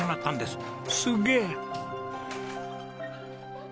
すげえ！